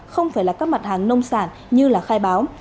không phải là các mặt hàng nông sản như khai báo